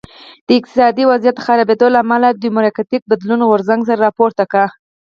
د اقتصادي وضعیت خرابېدو له امله د ډیموکراټیک بدلون غورځنګ سر راپورته کړ.